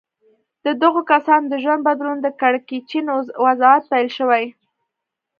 د دغو کسانو د ژوند بدلون له کړکېچن وضعيت پيل شوی.